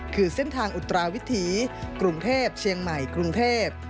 คือเส้นทางอุตราวิถีกรุงเทพเชียงใหม่กรุงเทพ